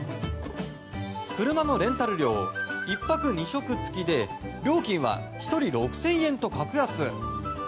車のレンタル料、１泊２食付きで料金は１人６０００円と格安！